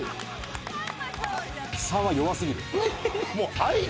３は弱すぎる。